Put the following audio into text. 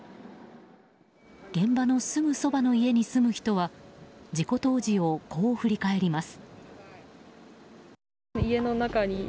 現場のすぐそばの家に住む人は事故当時をこう振り返ります。